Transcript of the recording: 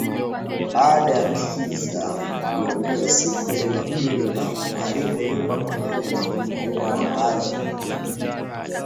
baada ya kiza kuingia siku ya Jumapili na kuharibu nyumba pamoja na kuwaua wakaazi